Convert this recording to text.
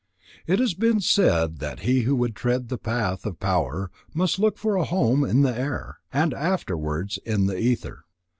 It has been said that he who would tread the path of power must look for a home in the air, and afterwards in the ether.